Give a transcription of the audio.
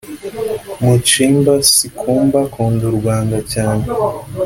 Muchimba Sikumba akunda u Rwanda cyane